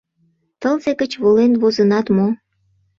Тылзе гыч волен возынат мо?